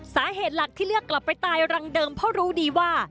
สาเหตุหลักที่เลือกกลับไปตายรังเดิมเพราะรู้ดีว่า